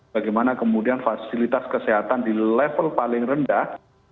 bagaimana kemudian fasilitas kesehatan di level paling rendah